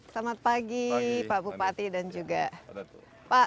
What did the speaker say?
selamat pagi pak bupati dan juga pak